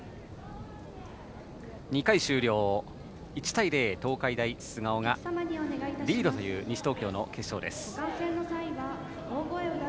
２回終了、１対０東海大菅生がリードという西東京の決勝です。